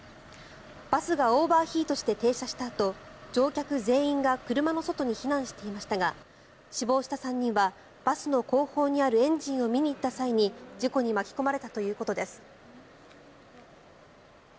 バスがオーバーヒートして停車したあと乗客全員が車の外に避難していましたが死亡した３人はバスの後方にあるエンジンを見に行った際に事故に巻き込まれたということです。